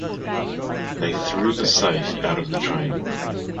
They threw the safe out of the train.